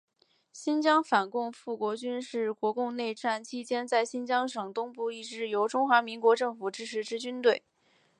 新疆反共复国军是国共内战期间在新疆省东部一支由中华民国政府支持之军队。